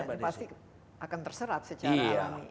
pasti akan terserat secara